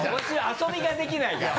遊びができないから。